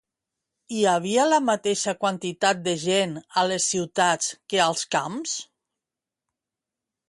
Hi havia la mateixa quantitat de gent a les ciutats que als camps?